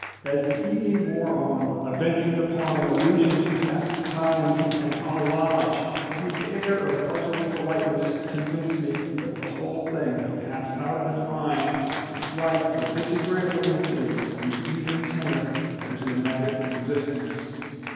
As the evening wore on, I ventured upon an allusion to past times and Holly Lodge; but his air of puzzled politeness convinced me that the whole thing had passed out of his mind, as a slight but disagreeable incident in the even tenor of his nomadic existence.